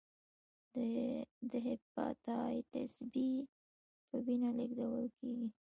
د هپاتایتس بي په وینه لېږدول کېږي.